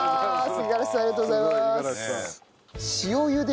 五十嵐さんありがとうございます！